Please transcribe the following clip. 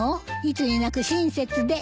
いつになく親切で。